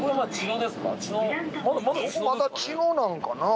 まだ茅野なんかな。